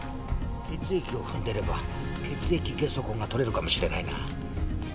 血液を踏んでれば血液ゲソ痕が取れるかもしれないな。